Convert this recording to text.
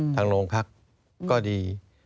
ทางโรงพรรคก็ดี